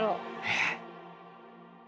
えっ。